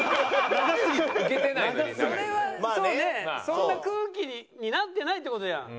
そんな空気になってないって事じゃん。